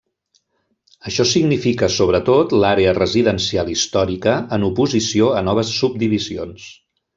Això significa sobretot l'àrea residencial històrica en oposició a noves subdivisions.